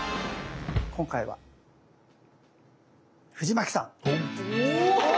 今回は藤牧さん。